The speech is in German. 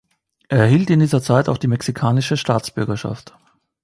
Er erhielt in dieser Zeit auch die mexikanische Staatsbürgerschaft.